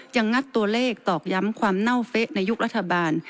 งัดตัวเลขตอกย้ำความเน่าเฟะในยุครัฐบาล